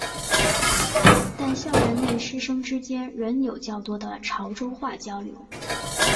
但校园内师生之间仍有较多的潮州话交流。